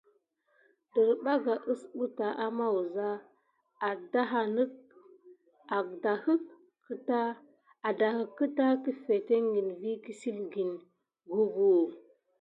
Derɓaga usɓeta ama wuza, adahek keta kəfekgeni vi kəsilgen gugu ə.